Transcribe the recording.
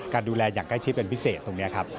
ดูแลอย่างใกล้ชิดเป็นพิเศษตรงนี้ครับ